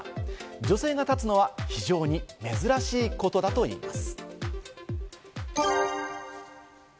女性が立つのは非常に珍しいことだといいます。